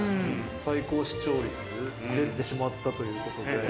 最高視聴率、出てしまったということで。